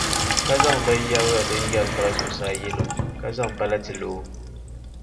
ka zaŋ binyɛribili din yɛri pari zuɣusaa yɛli o, ka zaŋ balati lo o.